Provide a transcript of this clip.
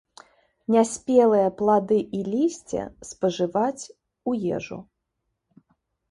Няспелыя плады і лісце спажываць у ежу.